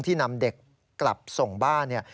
ที่นำเด็กกลับส่งบ้าน